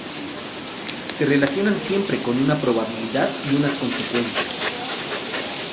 Se relacionan siempre con una probabilidad y unas consecuencias.